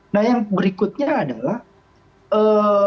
nah yang berikutnya adalah ee